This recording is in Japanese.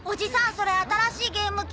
それ新しいゲーム機？